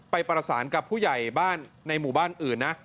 ไปประสานกับผู้ใหญ่บ้านในหมู่บ้านอื่นนะ